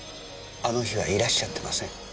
あの日はいらっしゃってません。